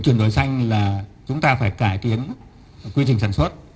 chuyển đổi xanh là chúng ta phải cải tiến quy trình sản xuất